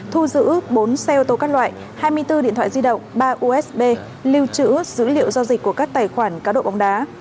thu giữ bốn xe ô tô các loại hai mươi bốn điện thoại di động ba usb lưu trữ dữ liệu giao dịch của các tài khoản cá độ bóng đá